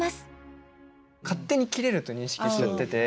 勝手に切れると認識しちゃってて。